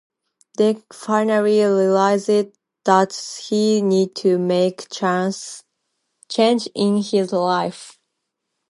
Dex finally realizes that he needs to make changes in his life.